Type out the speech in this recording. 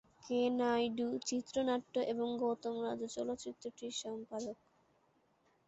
কে নাইডু চিত্রনাট্য এবং গৌতম রাজু চলচ্চিত্রটির সম্পাদক।